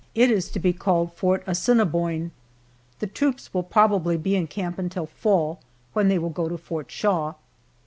It is to be called Fort Assiniboine. The troops will probably be in camp until fall, when they will go to Fort Shaw.